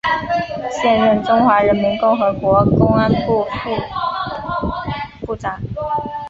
现任中华人民共和国公安部副部长。